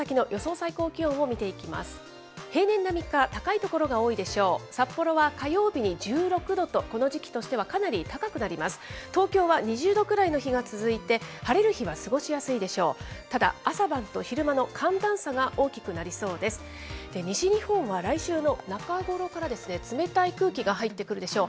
東京は２０度くらいの日が続いて、晴れる日は過ごしやすいでしょう。